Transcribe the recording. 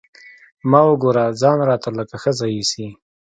ما وګوره ځان راته لکه ښځه ايسي.